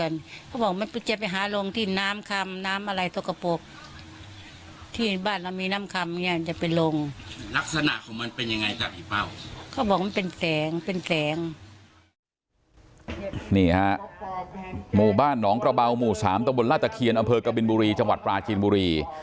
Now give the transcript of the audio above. นี่ฮะหมู่บ้านหนองกระเบาหมู่๓ตะบนลาตะเคียนอำเภอกบินบุรีจังหวัดปลาจีนบุรี